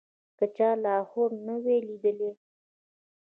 که چا لاهور نه وي لیدلی.